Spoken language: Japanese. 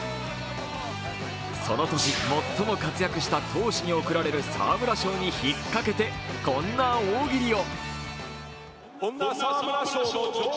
その年、最も活躍した投手に行われる沢村賞にひっかけてこんな大喜利を。